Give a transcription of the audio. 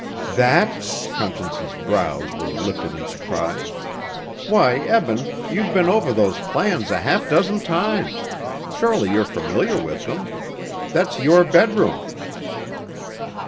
"That?" Conscience's brows were lifted in surprise. "Why, Eben, you've been over those plans a half dozen times. Surely you're familiar with them. That's your bed room."